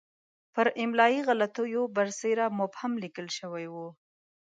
پر املایي غلطیو برسېره مبهم لیکل شوی وو.